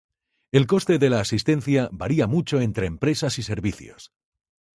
El coste de la asistencia varia mucho entre empresas y servicios.